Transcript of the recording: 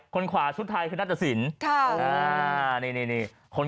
คนขวาชุดทายคือนัตตสิน